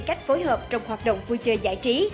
cách phối hợp trong hoạt động vui chơi giải trí